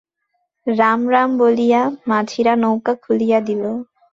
রাম রাম বলিয়া মাঝিরা নৌকা খুলিয়া দিল।